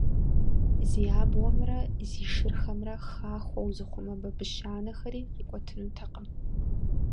Зи абгъуэмрэ зи шырхэмрэ «хахуэу» зыхъумэ бабыщ анэхэри къикӀуэтынутэкъым.